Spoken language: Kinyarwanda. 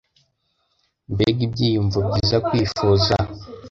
Mbega ibyiyumvo byiza kwifuza